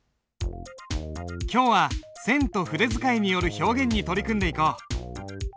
今日は線と筆使いによる表現に取り組んでいこう。